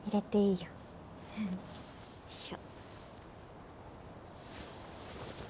よいしょ。